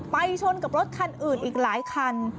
ชนกับรถคันอื่นอีกหลายคัน